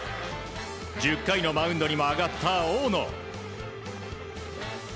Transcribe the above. １０回のマウンドにも上がった大野。